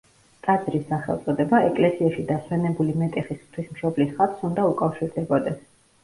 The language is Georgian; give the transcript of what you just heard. ტაძრის სახელწოდება ეკლესიაში დასვენებული მეტეხის ღვთისმშობლის ხატს უნდა უკავშირდებოდეს.